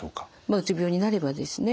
うつ病になればですね